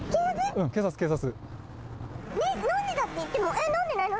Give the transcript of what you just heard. うん、警察、警察。